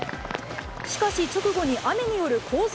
しかし、直後に雨によるコース